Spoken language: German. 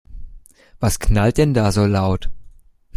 Was knallt denn da so laut?